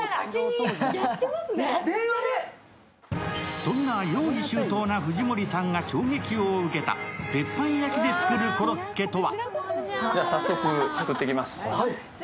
そんな用意周到な藤森さんが衝撃を受けた鉄板焼きで作るコロッケとは？